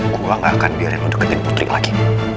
gue gak akan biarin lo deketin putri lagi